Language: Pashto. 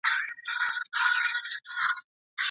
د جرګي په فضا کي به د عدالت او انصاف وړانګي ځلېدې.